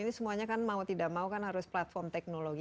ini semuanya kan mau tidak mau kan harus platform teknologi